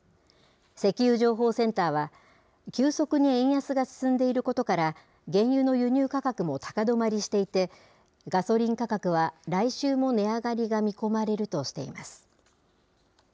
石油情報センターは、急速に円安が進んでいることから、原油の輸入価格も高止まりしていて、ガソリン価格は、来週も値上がりが見込まれるとしています。